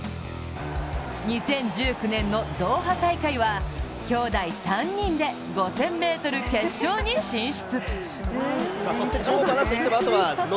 ２０１９年のドーハ大会は兄弟３人で５０００ｍ決勝に進出。